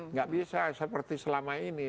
nggak bisa seperti selama ini